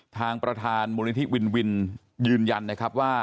ทางประธานมูลนิธิวินวินยืนยันนะครับว่า